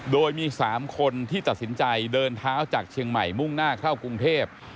โดยมี๓คนที่ตัดสินใจเดินเท้าจากเชียงใหม่มุ่งหน้าเข้ากรุงเทพ